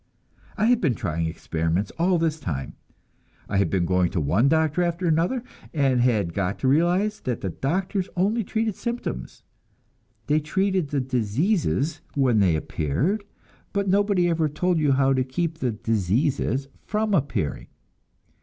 I had been trying experiments all this time. I had been going to one doctor after another, and had got to realize that the doctors only treated symptoms; they treated the "diseases" when they appeared but nobody ever told you how to keep the "diseases" from appearing.